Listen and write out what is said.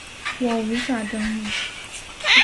我无法登入